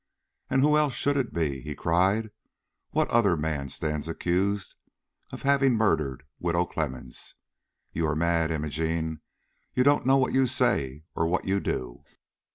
"And who else should it be?" he cried. "What other man stands accused of having murdered Widow Clemmens? You are mad, Imogene; you don't know what you say or what you do."